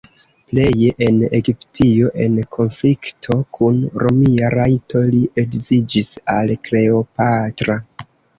Pleje en Egiptio en konflikto kun romia rajto li edziĝis al Kleopatra.